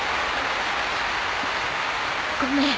ごめん。